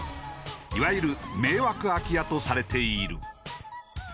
いわゆる迷惑空き家とされている。